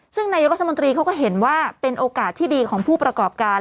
ซึ่งนายกรัฐมนตรีเขาก็เห็นว่าเป็นโอกาสที่ดีของผู้ประกอบการ